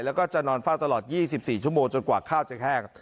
แล้วก็จะนอนเฝ้าตลอด๒๔ชั่วโมงจนกว่าข้าวจะแห้ง